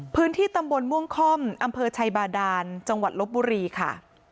พื้นที่ตำบลม่วงค่อมอำเภอชัยบาดานจังหวัดลบบุรีค่ะ